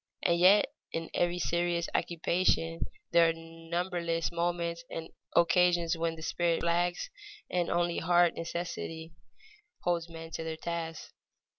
And yet in every serious occupation there are numberless moments and occasions when the spirit flags and only hard necessity holds men to their tasks.